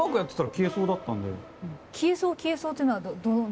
「消えそう」「消えそう」というのはどの？